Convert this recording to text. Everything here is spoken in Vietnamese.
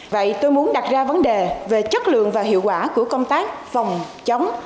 vậy tôi muốn đặt ra vấn đề về chất lượng và hiệu quả của công tác phòng chống